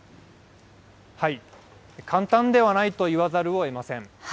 簡単ではないと言わざるをえません。